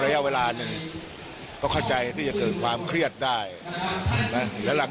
ระยะเวลาหนึ่งก็เข้าใจที่จะเกิดความเครียดได้นะแล้วหลัง